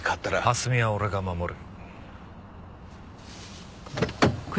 蓮見は俺が守る。